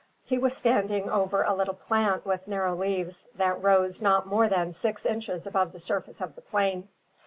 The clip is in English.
He was standing over a little plant with narrow leaves, that rose not more than six inches above the surface of the plain.